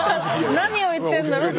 何を言ってるんだろうと。